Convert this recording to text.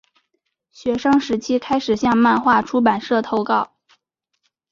学生时期开始向漫画出版社投稿。